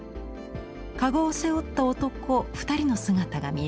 籠を背負った男２人の姿が見えます。